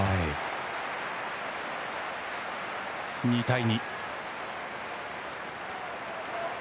２対２。